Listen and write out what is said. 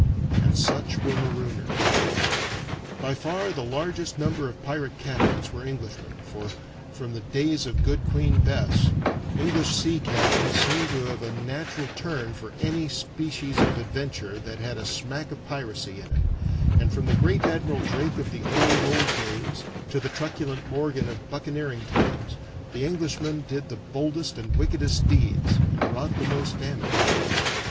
And such were marooners. By far the largest number of pirate captains were Englishmen, for, from the days of good Queen Bess, English sea captains seemed to have a natural turn for any species of venture that had a smack of piracy in it, and from the great Admiral Drake of the old, old days, to the truculent Morgan of buccaneering times, the Englishman did the boldest and wickedest deeds, and wrought the most damage.